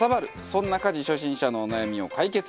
そんな家事初心者のお悩みを解決。